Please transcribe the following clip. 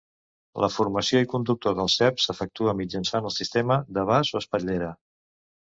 La formació i conducció dels ceps s'efectua mitjançant els sistemes de vas o espatllera.